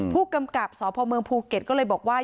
ผู้กำกับสพเมืองภูเก็ตก็เลยบอกว่า